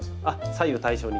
左右対称に？